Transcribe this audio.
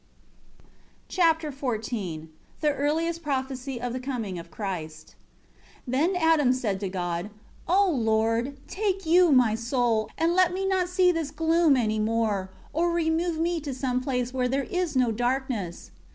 Chapter XIV The earliest prophesy of the coming of Christ. 1 Then Adam said to God: "O Lord, take You my soul, and let me not see this gloom any more; or remove me to some place where there is no darkness."